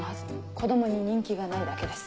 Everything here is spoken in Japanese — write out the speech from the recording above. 子供に人気がないだけです。